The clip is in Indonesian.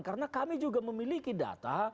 karena kami juga memiliki data